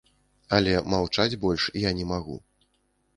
Але маўчаць больш я не магу.